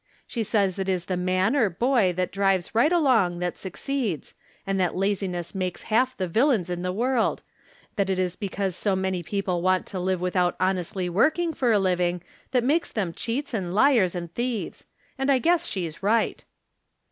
She says it is the man or boy that drives right along that succeeds, and that laziness makes half the villains in the world ; that it is because so many people want to live without honestly working for a living that makes them cheats and liars and thieves. And I guess she's right."